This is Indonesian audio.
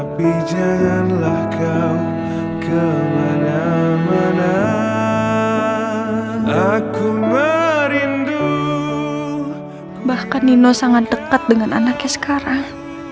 bahkan nino sangat dekat dengan anaknya sekarang